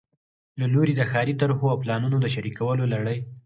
له لوري د ښاري طرحو او پلانونو د شریکولو لړۍ